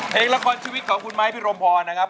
เพลงละครชีวิตของคุณไม้พิรมพรนะครับ